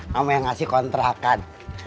sama yang ngasih kontrakan